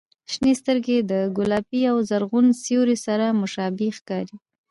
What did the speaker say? • شنې سترګې د ګلابي او زرغون سیوري سره مشابه ښکاري.